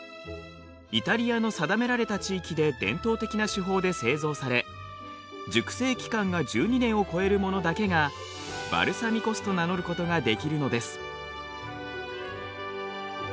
イタリアの定められた地域で伝統的な手法で製造され熟成期間が１２年を超えるものだけがバルサミコ酢と名乗ることができるのです。